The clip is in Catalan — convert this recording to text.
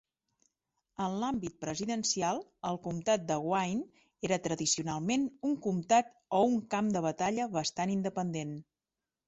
En l'àmbit presidencial, el comtat de Wayne era tradicionalment un comtat o un camp de batalla bastant independent.